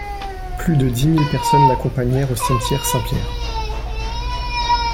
Plus de dix mille personnes l'accompagnèrent au Cimetière Saint-Pierre.